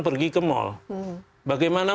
pergi ke mall bagaimana